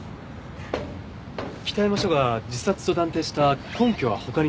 北山署が自殺と断定した根拠は他に何か？